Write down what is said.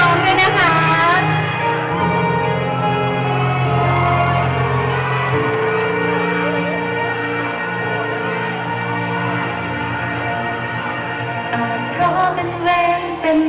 ขอบคุณทุกเรื่องราว